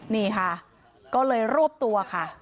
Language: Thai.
นี่ค่ะก็เลยรวบตัวค่ะ